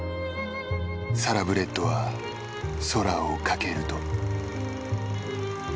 サラブレッドは空を翔ると。